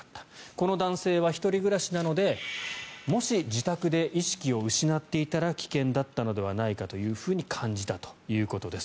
この男性は１人暮らしなのでもし自宅で意識を失っていたら危険だったのではないかと感じたということです。